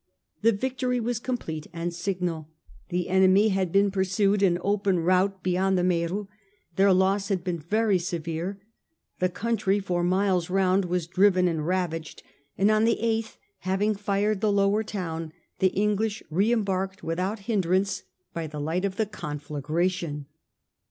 The victory was complete and signal. The enemy had been pursued in open rout beyond the Mero, their loss had been very severe, the country for mfles round was driven and ravaged, and on the 8th, having fired the Lower Town, the English re embarked without hindrance by the light of the conflagration.